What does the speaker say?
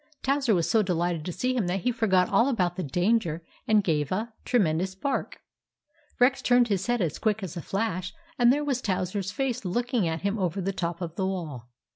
Towser was so delighted to see him that he forgot all about the danger, and gave a tremendous bark. Rex turned his head as quick as a flash, and there was Towser's face looking at him over the top of the wall.